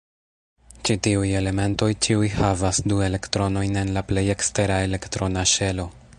Ĉi-tiuj elementoj ĉiuj havas du elektronojn en la plej ekstera elektrona ŝelo.